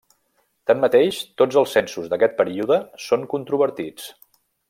Tanmateix tots els censos d'aquest període són controvertits.